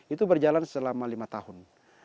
itu berjalan selama lima tahun